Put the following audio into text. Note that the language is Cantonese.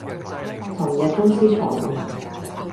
尋日公司裁員